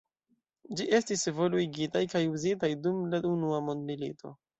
Ĝi estis evoluigitaj kaj uzitaj dum la unua mondmilito.